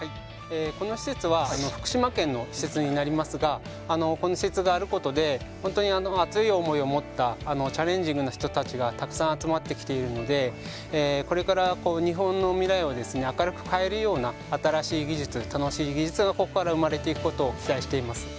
この施設は福島県の施設になりますがこの施設があることで本当に熱い思いを持ったチャレンジングな人たちがたくさん集まってきているのでこれから日本の未来を明るく変えるような新しい技術、楽しい技術がここから生まれていくことを期待しています。